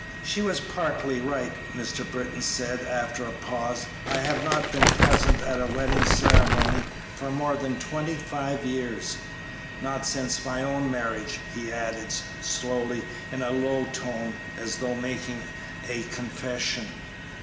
"She was partly right," Mr. Britton said, after a pause; "I have not been present at a wedding ceremony for more than twenty five years not since my own marriage," he added, slowly, in a low tone, as though making a confession.